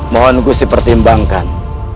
mohon gusip pertimbangkan